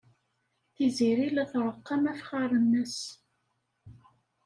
Tiziri la treqqem afexxar-nnes.